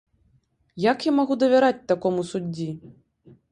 Як я магу давяраць такому суддзі?